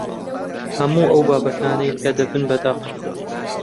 هەموو ئەو بابەتانەی کە دەبن بە دەق